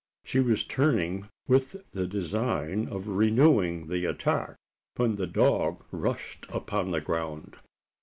She was turning with the design of renewing the attack, when the dog rushed upon the ground.